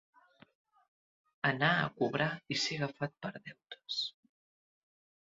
Anar a cobrar i ser agafat per deutes.